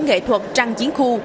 nghệ thuật trăng chiến khu